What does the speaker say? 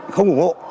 không ủng hộ